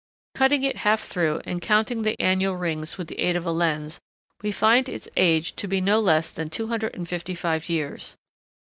Cutting it half through and counting the annual rings with the aid of a lens, we find its age to be no less than 255 years.